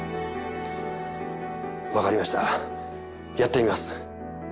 分かりましたやってみます